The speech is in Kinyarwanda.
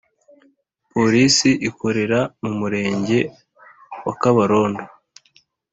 Polisi ikorera mu Murenge wa Kabarondo